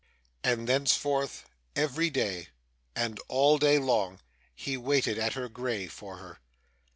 And thenceforth, every day, and all day long, he waited at her grave, for her.